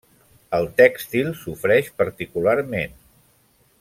El tèxtil sofreix particularment.